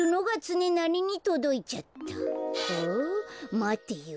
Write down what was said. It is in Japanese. まてよ。